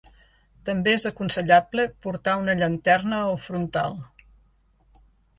També és aconsellable portar una llanterna o frontal.